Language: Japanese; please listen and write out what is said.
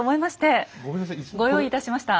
ご用意いたしました。